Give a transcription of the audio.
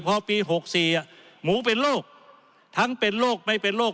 พอปี๖๔หมูเป็นโรคทั้งเป็นโรคไม่เป็นโรค